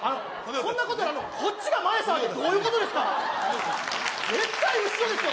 そんなことより「こっちが前さ」ってどういうことですか絶対後ろですわ